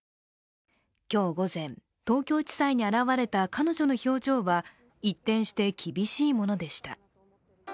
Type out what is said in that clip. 今日午前、東京地裁に現れた彼女の表情は一転して厳しいものでした。